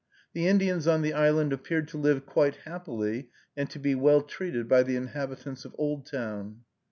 The Indians on the island appeared to live quite happily and to be well treated by the inhabitants of Oldtown.